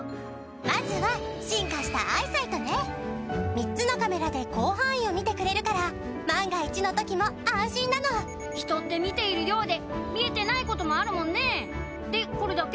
３つのカメラで広範囲を見てくれるから万が一の時も安心なの人って見ているようで見えてないこともあるもんねぇでこれだけ？